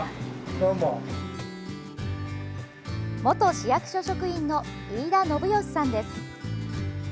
元市役所職員の飯田信義さんです。